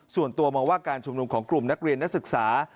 ส่วนตัวมองว่าการชุมนุมของกลุ่มนักเรียนนักศึกษา